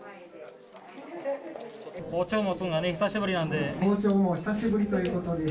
包丁持つのが久しぶりなんで。